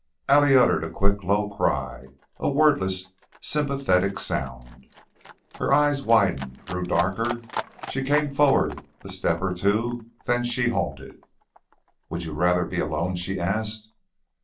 Allie uttered a quick, low cry, a wordless, sympathetic sound. Her dark eyes widened, grew darker; she came forward a step or two, then she halted. "Would you rather be alone?" she asked.